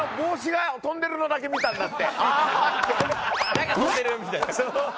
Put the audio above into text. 「なんか飛んでる」みたいな。